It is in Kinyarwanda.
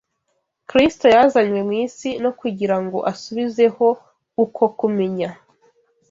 Kristo yazanywe mu isi no kugira ngo asubizeho uko kumenya